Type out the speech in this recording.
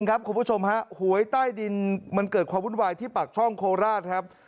คุณผู้ชมฮะหวยใต้ดินมันเกิดความวุ่นวายที่ปากช่องโคราชครับ